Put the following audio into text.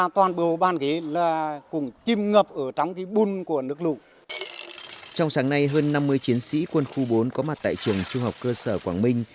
trong sáng nay hơn năm mươi chiến sĩ quân khu bốn có mặt tại trường trung học cơ sở quảng minh